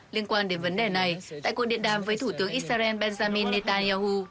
liên quan đến vấn đề này tại cuộc điện đàm với thủ tướng israel benjamin netanyahu